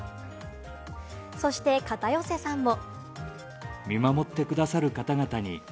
そして片寄さんも。